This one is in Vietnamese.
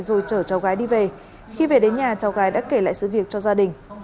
rồi chở cháu gái đi về khi về đến nhà cháu gái đã kể lại sự việc cho gia đình